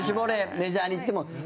メジャーにいっても。